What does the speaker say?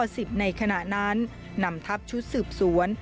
ในขณะนั้นนำทัพชุดสืบสวน